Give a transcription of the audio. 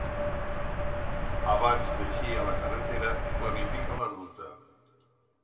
Abans d'eixir a la carretera 🛣 planifica la ruta.